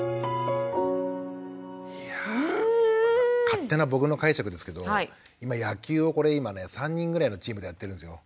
勝手な僕の解釈ですけど今野球をこれ今ね３人ぐらいのチームでやってるんですよ。